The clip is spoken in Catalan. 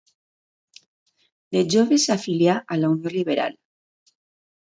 De jove s'afilià a la Unió Liberal.